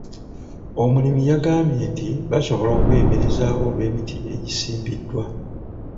Omulimi yagambye nti basobola okweyimirizaawo olw'emiti egisimbiddwa.